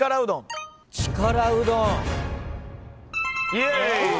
イェーイ！